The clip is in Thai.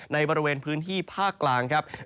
ในบริเวณพื้นที่ภาคกลางครับ